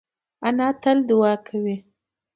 انا تل دعا کوي